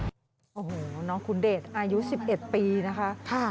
โอ้โหน้องคุณเดชอายุ๑๑ปีนะคะ